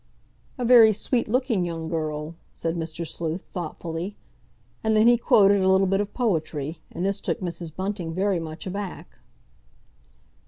"A very sweet looking young girl," said Mr. Sleuth thoughtfully. And then he quoted a little bit of poetry, and this took Mrs. Bunting very much aback.